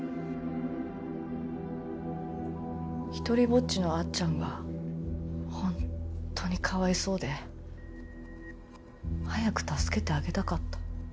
独りぼっちのあっちゃんがホンットにかわいそうで早く助けてあげたかった。